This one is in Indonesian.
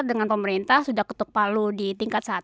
dengan pemerintah sudah ketuk palu di tingkat satu